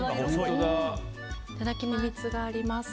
いただきます。